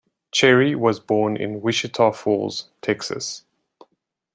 Cherry was born in Wichita Falls, Texas.